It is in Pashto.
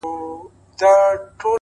• دواړي خویندي وې رنګیني ښایستې وې ,